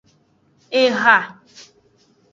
Eha.